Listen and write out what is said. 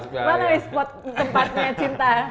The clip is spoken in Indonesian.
mana spot tempatnya cinta